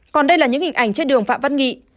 còn đây là những hình ảnh trên đường phạm văn nghị